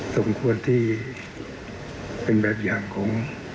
สมควรที่เป็นแบบอย่างของ